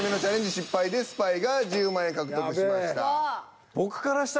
失敗でスパイが１０万円獲得しました。